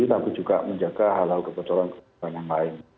tapi juga menjaga hal hal kebenaran yang lain